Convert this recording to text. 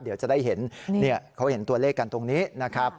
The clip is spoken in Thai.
เดี๋ยวจะได้เห็นเขาเห็นตัวเลขกันตรงนี้นะครับ